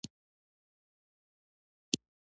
بالکل تر لمر لاندې ښار داسې ښکاري.